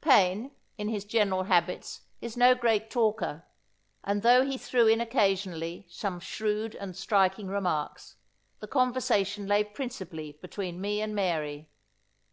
Paine, in his general habits, is no great talker; and, though he threw in occasionally some shrewd and striking remarks; the conversation lay principally between me and Mary.